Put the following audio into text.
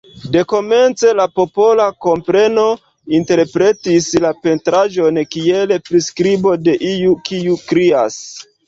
Dekomence la popola kompreno interpretis la pentraĵon kiel priskribo de iu kiu krias.